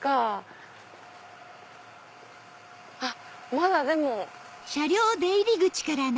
まだでも。